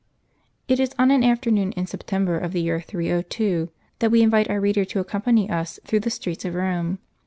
T is on an afternoon in September of the year 302, that we invite our reader to accompany us through the streets of Rome.